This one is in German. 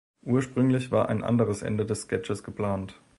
Ursprünglich war ein anderes Ende des Sketches geplant.